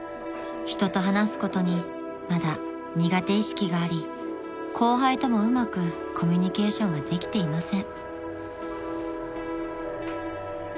［人と話すことにまだ苦手意識があり後輩ともうまくコミュニケーションができていません］